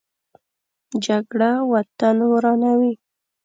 جګړه وطن ورانوي